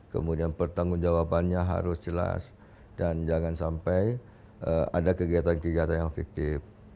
kemudian pertanggung jawabannya harus jelas dan jangan sampai ada kegiatan kegiatan yang fiktif